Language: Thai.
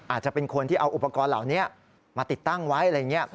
อาจจะเป็นคนที่เอาอุปกรณ์เหล่านี้มาติดตั้งไว้อะไรอย่างนี้